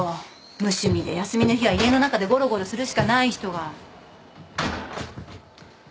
無趣味で休みの日は家の中でごろごろするしかない人が。